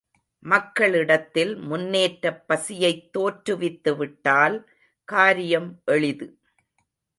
மக்களிடத்தில் முன்னேற்றப் பசியைத் தோற்றுவித்துவிட்டால் காரியம் எளிது.